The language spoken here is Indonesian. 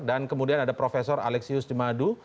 dan kemudian ada profesor alexius jimadu